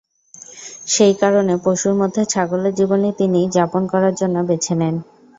সেই কারণে পশুর মধ্যে ছাগলের জীবনই তিনি যাপন করার জন্য বেছে নেন।